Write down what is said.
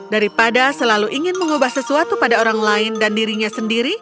daripada selalu ingin mengubah sesuatu pada orang lain dan dirinya sendiri